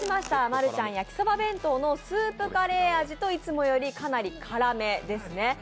マルちゃんやきそば弁当のスープカレー味といつもよりかなり辛めですね。